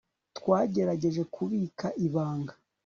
twagerageje kubika ibanga